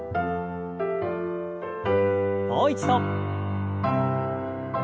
もう一度。